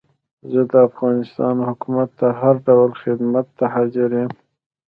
زه د افغانستان حکومت ته هر ډول خدمت ته حاضر یم.